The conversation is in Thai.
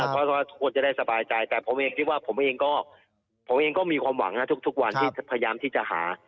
เพราะว่าทุกคนจะได้สบายใจแต่ผมเองก็มีความหวังนะทุกวันที่พยายามที่จะหา